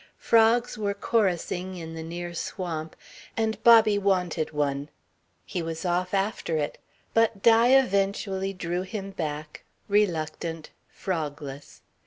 Frogs were chorusing in the near swamp, and Bobby wanted one. He was off after it. But Di eventually drew him back, reluctant, frogless.